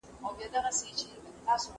ما د خپلې خور په تندي د مینې نښه کېښوده.